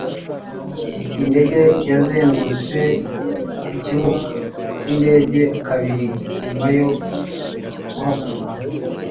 indege yazengurutse ikibuga cyindege kabiri nyuma yo guhaguruka